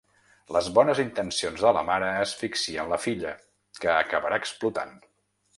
Les bones intencions de la mare asfixien la filla, que acabarà explotant.